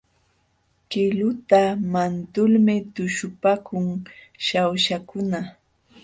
Qiluta wantulmi tuśhupaakun Shawshakuna.